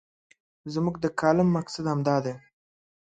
زموږ د کالم مقصد همدا دی.